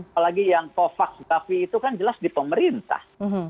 apalagi yang covax gavi itu kan jelas di pemerintah